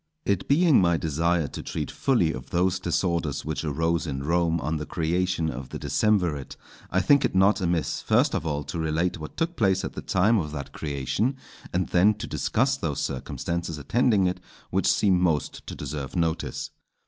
_ It being my desire to treat fully of those disorders which arose in Rome on the creation of the decemvirate, I think it not amiss first of all to relate what took place at the time of that creation, and then to discuss those circumstances attending it which seem most to deserve notice.